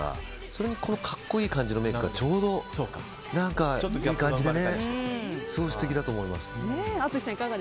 それにこの格好いい感じのメイクがちょうどいい感じで素敵だと思います。